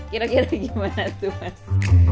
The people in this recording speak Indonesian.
kira kira gimana tuh mas